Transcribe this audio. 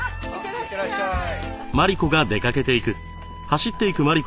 いってらっしゃい！